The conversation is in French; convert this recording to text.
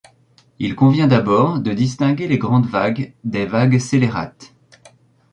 Il convient d’abord de distinguer les grandes vagues des vagues scélérates.